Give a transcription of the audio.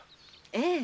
ええ。